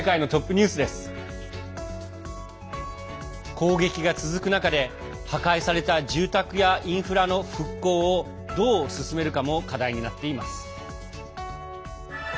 攻撃が続く中で破壊された住宅やインフラの復興をどう進めるかも課題になっています。